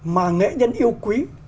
mà nghệ nhân yêu quý